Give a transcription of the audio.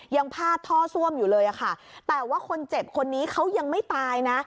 ยังพาดท่อซ่วมอยู่เลยค่ะแต่ว่าคนเจ็บคนนี้เขายังไม่ตายนะ